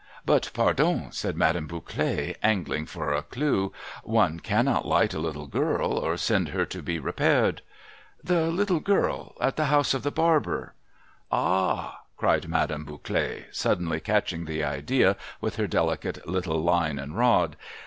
' Ikit, pardon !' said Madame Bouclet, angling for a clew, ' one cannot liglit a little girl, or send her to be repaired ?'' The little girl — at the house of the barber.' ' Ah h h !' cried Madame Bouclet, suddenly catching the idea with her delicate little line and rod.